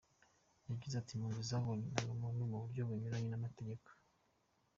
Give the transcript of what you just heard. Yagize ati “Impunzi zabonye indangamuntu mu buryo bunyuranye n’amategeko.